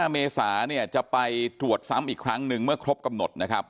เมษาเนี่ยจะไปตรวจซ้ำอีกครั้งหนึ่งเมื่อครบกำหนดนะครับ